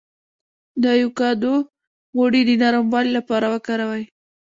د ایوکاډو غوړي د نرموالي لپاره وکاروئ